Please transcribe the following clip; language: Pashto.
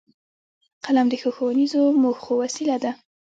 قلم د ښو ښوونیزو موخو وسیله ده